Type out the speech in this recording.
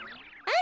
あ。